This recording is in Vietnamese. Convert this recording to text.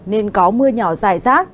nên có mưa nhỏ dài rác